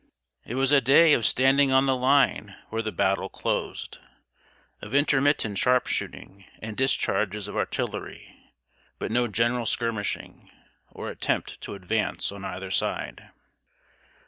It was a day of standing on the line where the battle closed of intermittent sharp shooting and discharges of artillery, but no general skirmishing, or attempt to advance on either side.